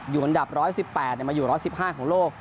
อันดับ๑๑๘มาอยู่๑๑๕ของโลก